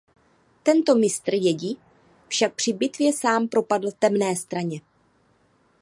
Tento mistr Jedi však při bitvě sám propadl temné straně.